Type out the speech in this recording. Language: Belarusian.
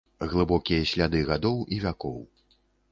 Глыбокія сляды гадоў і вякоў.